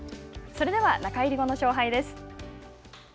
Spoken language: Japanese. それでは中入り後の勝敗です。